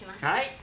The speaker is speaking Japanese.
はい！